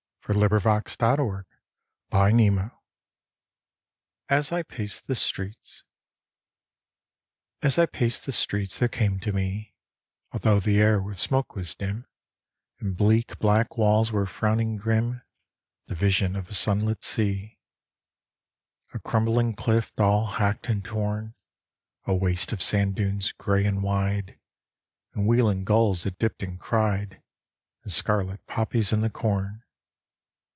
E. IN THE NET OF THE STARS As I Paced the Streets AS I paced the streets there came to me, Although the air with smoke was dim, And bleak, black walls were frowning grim, The vision of a sunlit sea, A crumbling cliff all hacked and torn, A waste of sand dunes, grey and wide, And wheeling gulls that dipped and cried, And scarlet poppies in the corn.